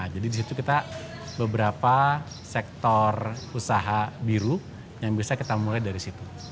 jadi di situ kita beberapa sektor usaha biru yang bisa kita mulai dari situ